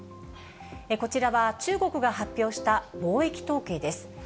こちらは中国が発表した貿易統計です。